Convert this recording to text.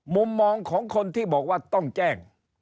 มุมมองของคนที่บอกว่าต้องแจ้ง